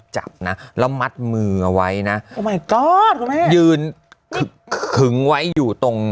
จับนะแล้วมัดมือเอาไว้นะทำไมกอดคุณแม่ยืนขึงไว้อยู่ตรง